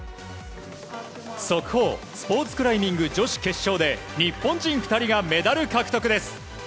速報スポーツクライミング女子決勝で日本人２人がメダル獲得です。